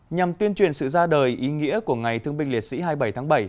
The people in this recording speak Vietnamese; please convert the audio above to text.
nhằm tuyên truyền sự ra đời ý nghĩa của ngày thương binh liệt sĩ hai mươi bảy tháng bảy